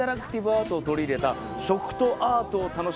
アートを取り入れた。